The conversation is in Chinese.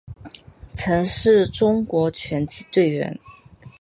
曾是中国拳击队员。